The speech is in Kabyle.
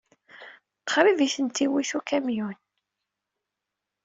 Qrib ay tent-iwit ukamyun.